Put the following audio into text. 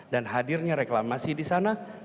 dan hadirnya reklamasi disana